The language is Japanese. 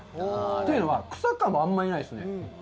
というのは、草感はあんまりないですね。